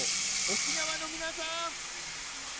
沖縄の皆さん。